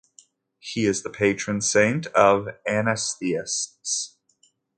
He is the patron saint of anesthetists.